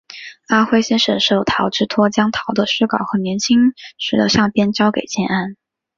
阿辉先生受陶之托将陶的诗稿和年轻时的相片交给建安。